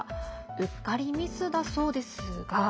うっかりミスだそうですが。